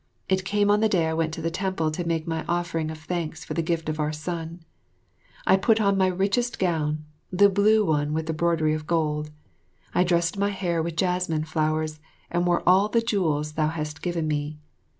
It came on the day I went to the temple to make my offering of thanks for the gift of our son. I put on my richest gown, the blue one with the broidery of gold. I dressed my hair with jessamine flowers, and wore all the jewels thou hast given me.